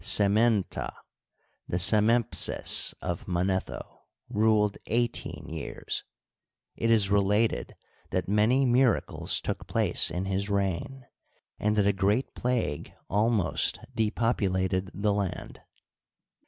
Semenptah, the Semempses of Mane tho, ruled eighteen years. It is related that many mira cles took place in his reign, and that a great plague almost depopulated the land.